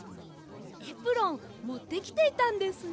エプロンもってきていたんですね。